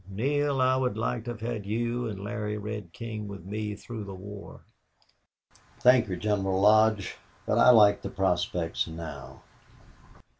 Neale, I would like to have had you and Larry Red King with me through the war." "Thank you, General Lodge.... But I like the prospects now."